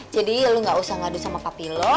jadi lo gak usah ngadu sama papi lo